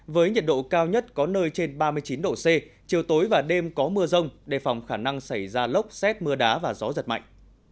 với nhiệt độ cao nhất có nơi trên ba mươi chín độ c chiều tối và đêm có mưa rông đề phòng khả năng xảy ra lốc xét mưa đá và gió giật mạnh